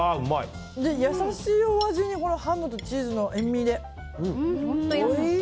優しいお味にハムとチーズの塩みでおいしい！